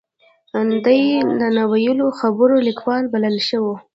دای د نا ویلو خبرو لیکوال بللی شو.